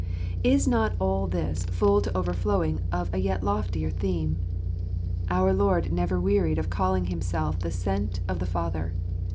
Is not all this full to overflowing of a yet loftier theme ? Our Lord never wearied of calling Himself the Sent of the Father.